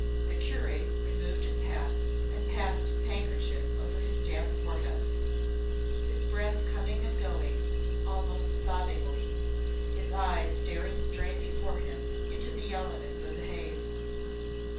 The curate removed his hat and passed his handkerchief over his damp forehead, his breath coming and going almost sobbingly, his eyes staring straight before him into the yellowness of the haze.